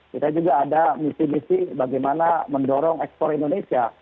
kita juga ada misi misi bagaimana mendorong ekspor indonesia